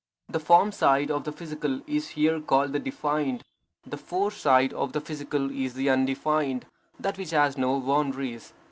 The form side of the physical is here called the defined. The force side of the physical is the undefined, that which has no boundaries.